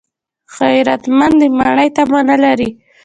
غیرتمند د ماڼۍ تمه نه لري